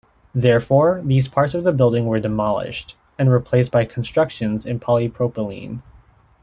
Therefore, these parts of the building were demolished, and replaced by constructions in polypropylene.